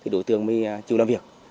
đối tượng mới chịu làm việc